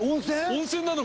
温泉なの！？